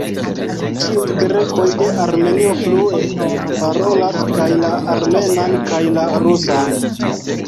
Ĉiuj grekoj de Armenio flue parolas kaj la armenan kaj la rusan.